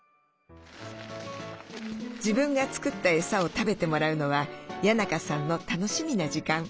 自分が作ったエサを食べてもらうのは谷仲さんの楽しみな時間。